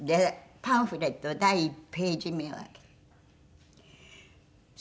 パンフレット第１ページ目を開ける。